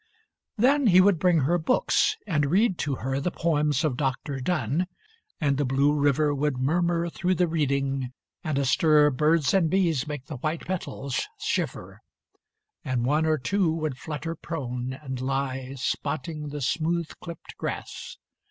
XXVI Then he would bring her books, and read to her The poems of Dr. Donne, and the blue river Would murmur through the reading, and a stir Of birds and bees make the white petals shiver, And one or two would flutter prone and lie Spotting the smooth clipped grass.